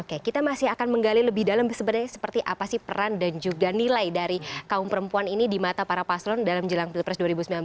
oke kita masih akan menggali lebih dalam sebenarnya seperti apa sih peran dan juga nilai dari kaum perempuan ini di mata para paslon dalam jelang pilpres dua ribu sembilan belas